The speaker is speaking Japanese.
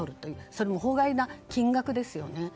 それも法外な金額ですよね。